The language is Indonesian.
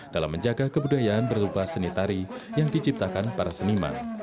dalam menjaga kebudayaan berupa seni tari yang diciptakan para seniman